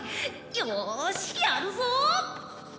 よしやるぞ！